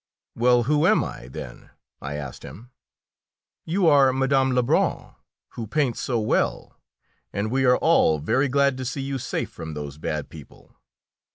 "Well, who am I, then?" I asked him. "You are Mme. Lebrun, who paints so well, and we are all very glad to see you safe from those bad people."